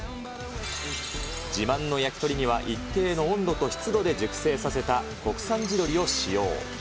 自慢の焼き鳥には、一定の温度と湿度で熟成させた国産地鶏を使用。